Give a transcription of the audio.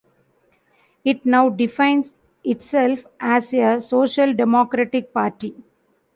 It now defines itself as a social-democratic party.